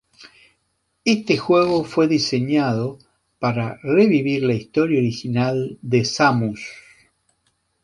Este juego fue diseñado para "revivir la historia original de Samus".